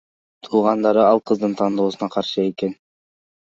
Туугандары ал кыздын тандоосуна каршы экен.